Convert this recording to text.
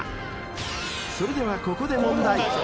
［それではここで］